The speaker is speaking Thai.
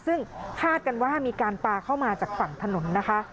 ซึ่งคาดกันว่ามีการปลาเข้ามาจากฝั่งถนนนะคะ